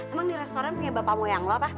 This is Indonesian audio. emang di restoran punya bapamu yang lo